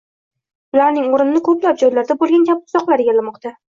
Ularning o'rnini ko'plab joylarda bo'lgani kabi tuzoqlar egallamoqda